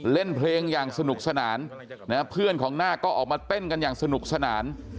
เล่นเพลงอย่างสนุกสนานเพื่อนของนาคก็ออกมาเต้นกันอย่างสนุกสนาน